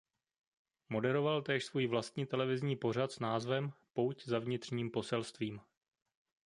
Moderoval též svůj vlastní televizní pořad s názvem "Pouť za vnitřním poselstvím".